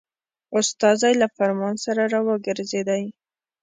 استازی له فرمان سره را وګرځېدی.